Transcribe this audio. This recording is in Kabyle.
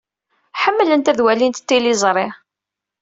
Ḥemmlent ad walint tiliẓri.